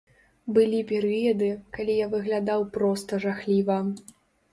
Былі перыяды, калі я выглядаў проста жахліва.